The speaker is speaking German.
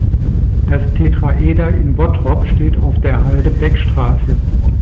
Das Tetraeder in Bottrop steht auf der Halde Beckstraße.